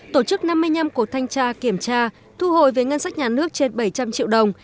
tổ chức năm mươi năm cuộc thanh tra kiểm tra thu hồi với ngân sách nhà nước trên bảy trăm linh triệu đồng